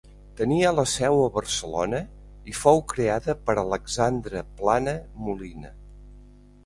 Tenia la seu a Barcelona i fou creada per Alexandre Plana Molina.